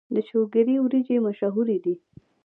د شولګرې وريجې مشهورې دي